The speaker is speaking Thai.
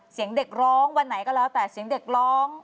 เสียงเด็กร้องวันไหนก็แล้วแต่เสียงเด็กร้อง